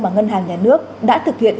mà ngân hàng nhà nước đã thực hiện